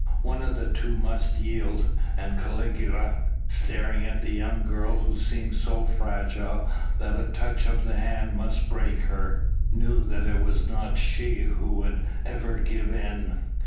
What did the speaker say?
One of the two must yield, and Caligula, staring at the young girl who seemed so fragile that a touch of the hand must break her, knew that it was not she who would ever give in.